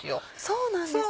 そうなんですか。